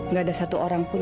nggak ada satu orang pun